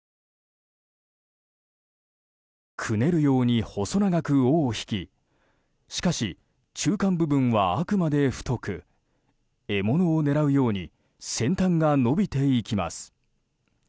くねるように細長く尾を引きしかし、中間部分はあくまで太く獲物を狙うように先端が伸びていきます。